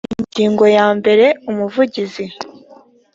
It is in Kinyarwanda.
ingingo ya mbere: umuvugizi